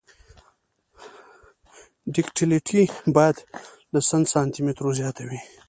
ډکټیلیټي باید له سل سانتي مترو زیاته وي